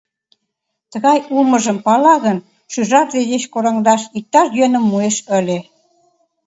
Тыгай улмыжым пала гын, шӱжарже деч кораҥдаш иктаж йӧным муэш ыле.